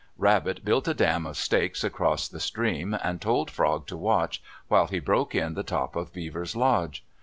Rabbit built a dam of stakes across the stream, and told Frog to watch, while he broke in the top of Beaver's lodge.